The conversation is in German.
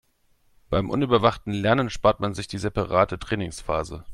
Beim unüberwachten Lernen spart man sich die separate Trainingsphase.